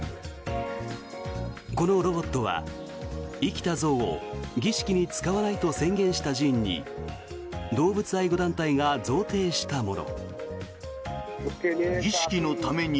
このロボットは、生きた象を儀式に使わないと宣言した寺院に動物愛護団体が贈呈したもの。